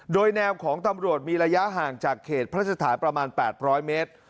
โดยแนวของตำรวจมีระยะห่างจากเขตพระราชฐานประมาณ๘๐๐เมตร